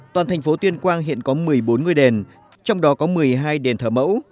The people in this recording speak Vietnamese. toàn thành phố tuyên quang hiện có một mươi bốn ngôi đền trong đó có một mươi hai đền thờ mẫu